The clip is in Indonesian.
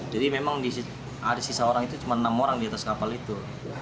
jadi memang ada sisa orang itu cuma enam orang di atas kapal itu